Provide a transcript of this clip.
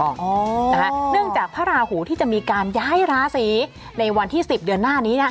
เนื่องจากพระราหูที่จะมีการย้ายราศีในวันที่๑๐เดือนหน้านี้